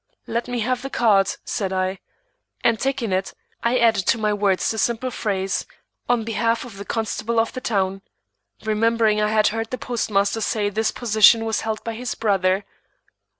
"Let me have the card," said I; and taking it, I added to my words the simple phrase, "On behalf of the Constable of the town," remembering I had heard the postmaster say this position was held by his brother.